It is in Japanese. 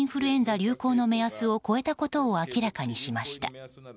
流行の目安を超えたことを明らかにしました。